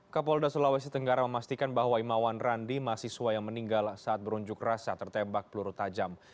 kepala uda sulawesi tenggara memastikan bahwa imawan randi masih suai yang meninggal saat berunjuk rasa tertembak peluru tajam